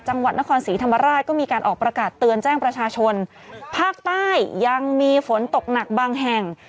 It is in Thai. จังหวัดนครศรีธรรมราชก็มีการออกประกาศเตือนแจ้งประชาชนภาคใต้ยังมีฝนตกหนักบางแห่ง